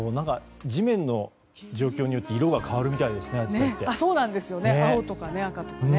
地面の状況によって色が変わるみたいですよねアジサイって。